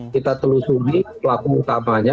kita telusuri pelaku utamanya